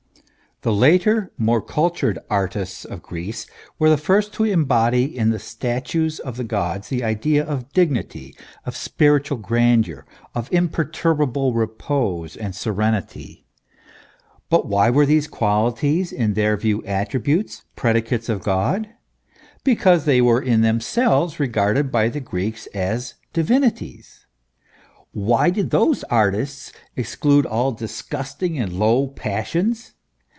The later more cultured artists of Greece were the first to embody in the statues of the gods the ideas of dignity, of spiritual grandeur, of imperturbable repose and serenity. But why were these qualities in their view attributes, predicates of God ? Because they were in themselves regarded by the Greeks as divinities. Why did those artists exclude all disgust ing and low passions